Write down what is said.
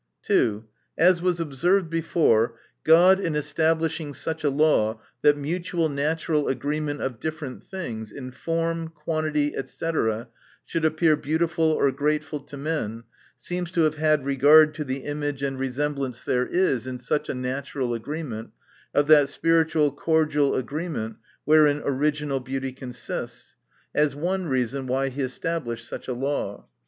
(2.) As was observed before, God, in establishing such a law that mutual natural agreement of different things, in form, quantity, &c, should appear beautiful or grateful to men, seems to have had regard to the image and resem blance there is in such a natural agreement, of that spiritual cordial agreement, wherein original beauty consists, as one reason why he established such a law.